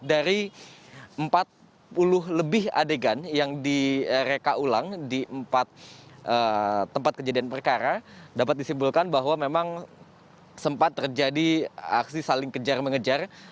dari empat puluh lebih adegan yang direka ulang di empat tempat kejadian perkara dapat disimpulkan bahwa memang sempat terjadi aksi saling kejar mengejar